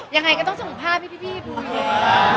ยังไงก็ต้องส่งผ้าพี่ดูแย่